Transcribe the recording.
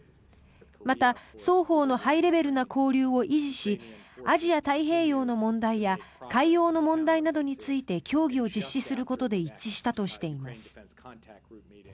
また、双方のハイレベルな交流を維持しアジア太平洋の問題や海洋の問題などについて協議を実施することで一致したとしています。